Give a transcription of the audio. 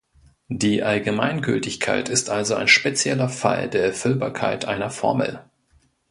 Die Allgemeingültigkeit ist also ein spezieller Fall der Erfüllbarkeit einer Formel.